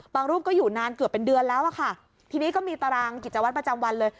รูปก็อยู่นานเกือบเป็นเดือนแล้วอะค่ะทีนี้ก็มีตารางกิจวัตรประจำวันเลย